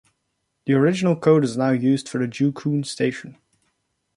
The original code is now used for the Joo Koon station.